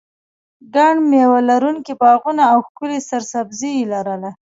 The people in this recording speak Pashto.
ګڼ مېوه لرونکي باغونه او ښکلې سرسبزي یې لرله.